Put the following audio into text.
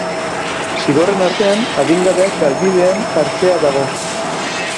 Zigorren artean, adin-gabeak galbidean jartzea dago.